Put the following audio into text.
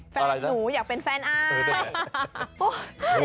แฟนหนูอยากเป็นแฟนอาย